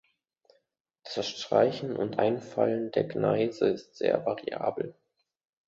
Das Streichen und Einfallen der Gneise ist sehr variabel.